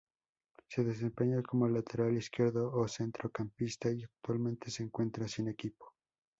Se desempeña como lateral izquierdo o centrocampista y actualmente se encuentra sin equipo.